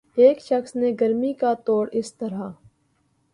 ایک شخص نے گرمی کا توڑ اس طرح